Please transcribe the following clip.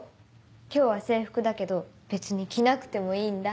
今日は制服だけど別に着なくてもいいんだ。